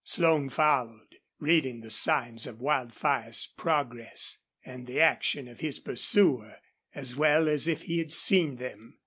Slone followed, reading the signs of Wildfire's progress, and the action of his pursuer, as well as if he had seen them.